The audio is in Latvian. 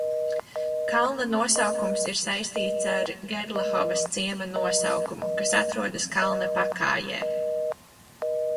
Kalna nosaukums ir saistīts ar Gerlahovas ciema nosaukumu, kas atrodas kalna pakājē.